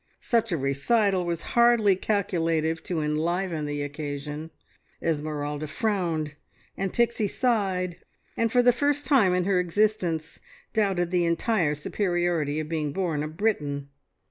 ... Such a recital was hardly calculative to enliven the occasion. Esmeralda frowned, and Pixie sighed, and for the first time in her existence doubted the entire superiority of being born a Briton.